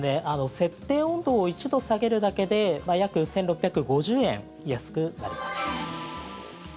設定温度を１度下げるだけで約１６５０円安くなります。